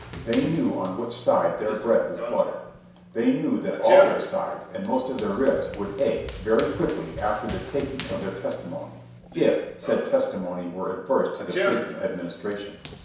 They knew on which side their bread was buttered. They knew that all their sides and most of their ribs would ache very quickly after the taking of their testimony ... if said testimony were adverse to the prison administration.